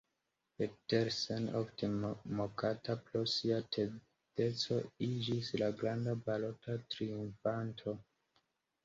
Petersen, ofte mokata pro sia tedeco, iĝis la granda balota triumfanto.